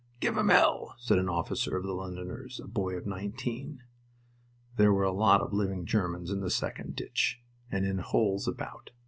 "Give'em hell!" said an officer of the Londoners a boy of nineteen. There were a lot of living Germans in the second ditch, and in holes about.